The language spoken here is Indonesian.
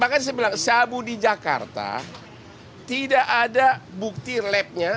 bahkan saya bilang sabu di jakarta tidak ada bukti labnya